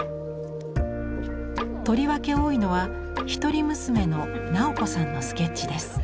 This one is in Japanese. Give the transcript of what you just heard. とりわけ多いのは一人娘の直子さんのスケッチです。